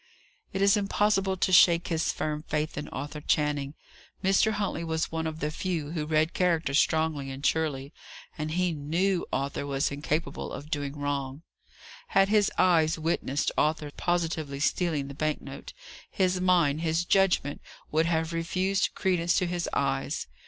It was impossible to shake his firm faith in Arthur Channing. Mr. Huntley was one of the few who read character strongly and surely, and he knew Arthur was incapable of doing wrong. Had his eyes witnessed Arthur positively stealing the bank note, his mind, his judgment would have refused credence to his eyes.